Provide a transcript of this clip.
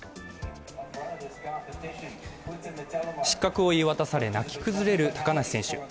失格を言い渡され、泣き崩れる高梨選手。